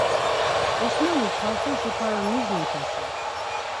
Osmanik paltoşi para mis meçasen?